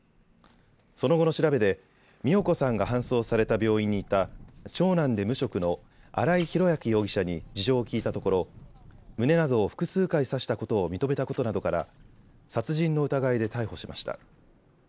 その後の調べで美代子さんが搬送された病院にいた長男で無職の新井裕昭容疑者に事情を聴いたところ胸などを複数回刺したことを認めたことなどから殺人の疑いで逮捕しました。